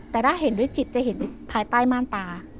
แต่ถ้าเห็นด้วยจิตจะเห็นภายใต้ม่านตา